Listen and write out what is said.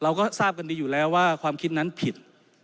เราก็ทราบกันดีอยู่แล้วว่าความคิดนั้นผิด